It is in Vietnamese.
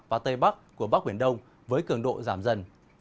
và tây bắc của bắc biển đông với cường độ giảm dần